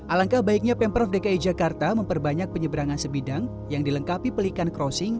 alangkah baiknya pemprov dki jakarta memperbanyak penyeberangan sebidang yang dilengkapi pelikan crossing